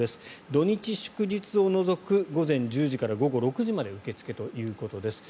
土日祝日を除く午前１０時から午後６時まで受け付けということです。